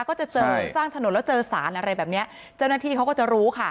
ก็จะเจอสร้างถนนแล้วเจอสารอะไรแบบเนี้ยเจ้าหน้าที่เขาก็จะรู้ค่ะ